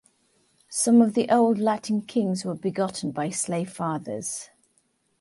Some of the old Latin kings were begotten by slave fathers.